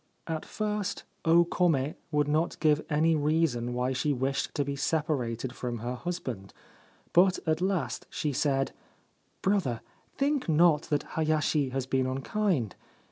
At first O Kome would not give any reason why she wished to be separated from her husband ; but at last she said : 4 Brother, think not that Hayashi has been unkind.